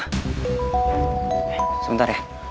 eh sebentar ya